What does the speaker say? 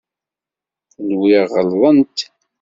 Nwiɣ ɣelḍent.